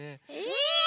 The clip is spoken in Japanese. え⁉